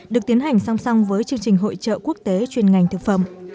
được tiến hành song song với chương trình hội trợ quốc tế chuyên ngành thực phẩm